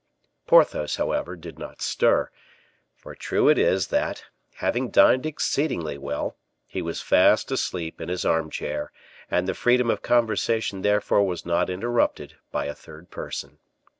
Porthos, however, did not stir; for true it is that, having dined exceedingly well, he was fast asleep in his armchair; and the freedom of conversation therefore was not interrupted by a third person.